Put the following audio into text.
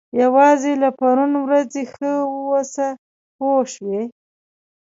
یوازې له پرون ورځې ښه واوسه پوه شوې!.